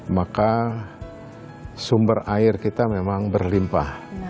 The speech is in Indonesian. maka sumber air kita memang berlimpah